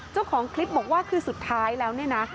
เจ้าของคลิปบอกว่าคือสุดท้ายแล้วเนี่ยนะ